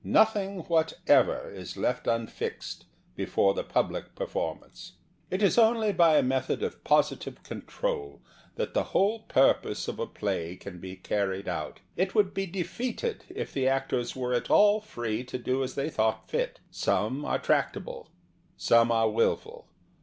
Nothing whatever is left unfixed before the public performance. 154 The Theatre and Its People It is only by a method of positive control that the whole purpose of a play can be carried out. It would be defeated if the actors were at all free to do as they thought fit. Some are trac table. Some are wilful.